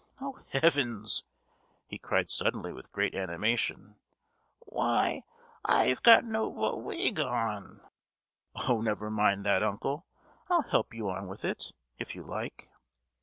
Oh, heavens!" he cried suddenly, with great animation, "why, I've got no wi—ig on!" "Oh, never mind that, uncle; I'll help you on with it, if you like!"